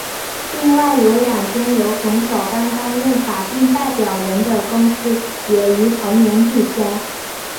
另外有两间由冯小刚担任法定代表人的公司也于同年注销。